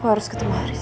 gue harus ketemu haris